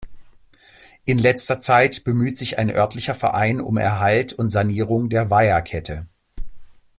In letzter Zeit bemüht sich ein örtlicher Verein um Erhalt und Sanierung der Weiherkette.